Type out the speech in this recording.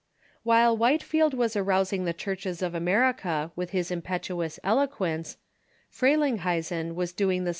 ] While Whitefield was arousing the churches of America with his impetuous eloquence, Frelinghuysen Avas doing the